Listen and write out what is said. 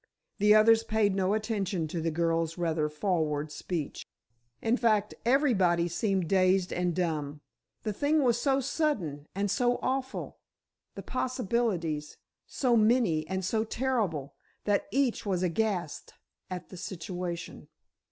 The others paid no attention to the girl's rather forward speech. In fact, everybody seemed dazed and dumb. The thing was so sudden and so awful—the possibilities so many and so terrible—that each was aghast at the situation.